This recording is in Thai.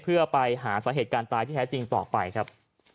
เพื่อไปหาสาเหตุการณ์ตายที่แท้จริงต่อไปครับ